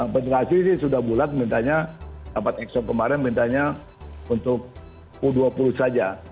federasi ini sudah bulat minta dapat exo kemarin minta untuk u dua puluh saja